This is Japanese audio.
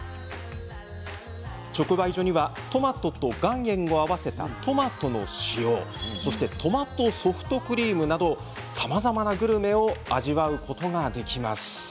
直売所にはトマトと岩塩を合わせたトマトの塩やトマトソフトクリームなどさまざまなグルメを味わうことができます。